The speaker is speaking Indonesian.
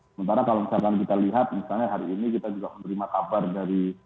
sementara kalau misalkan kita lihat misalnya hari ini kita juga menerima kabar dari